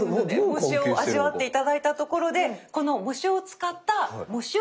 藻塩を味わって頂いたところでこの藻塩を使った藻塩米。